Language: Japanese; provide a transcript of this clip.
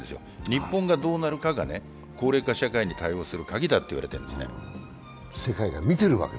日本がどうなるかが高齢化社会に対応するカギだと言われているんですね。